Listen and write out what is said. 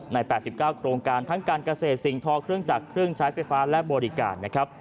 ๘๙โครงการทั้งการเกษตรสิ่งทอเครื่องจักรเครื่องใช้ไฟฟ้าและบริการนะครับ